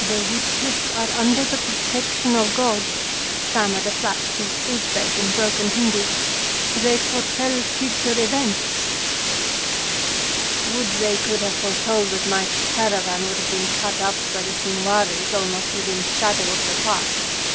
"The witless are under the protection of God," stammered a flat cheeked Usbeg in broken Hindi. "They foretell future events." "Would they could have foretold that my caravan would have been cut up by the Shinwaris almost within shadow of the Pass!"